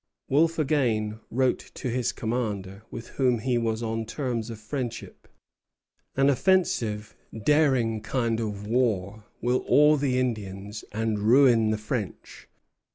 Wolfe again wrote to his commander, with whom he was on terms of friendship: "An offensive, daring kind of war will awe the Indians and ruin the French.